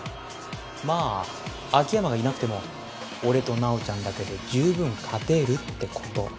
まあ秋山がいなくても俺と直ちゃんだけでじゅうぶん勝てるってこと。